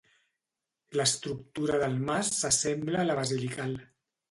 L'estructura del mas s'assembla a la basilical.